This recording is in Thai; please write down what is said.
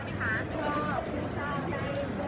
พี่ก็ภาพคุณชอบได้รูตอนของอาทิตย์